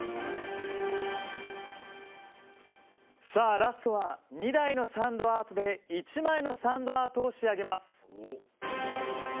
ラストは２台のサンドアートで１枚のサンドアートを仕上げます。